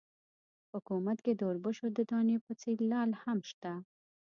په حکومت کې د اوربشو د دانې په څېر لعل هم شته.